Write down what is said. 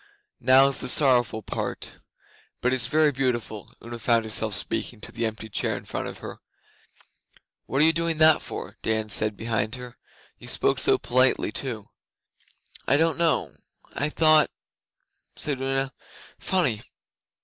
'Now's the sorrowful part, but it's very beautiful.' Una found herself speaking to the empty chair in front of her. 'What are you doing that for?' Dan said behind her. 'You spoke so politely too.' 'I don't know... I thought ' said Una. 'Funny!